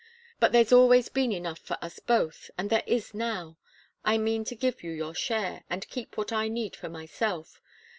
But there's always been enough for us both, and there is now. I mean to give you your share, and keep what I need myself.